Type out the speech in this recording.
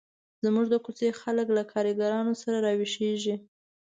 زموږ د کوڅې خلک له کارګانو سره راویښېږي.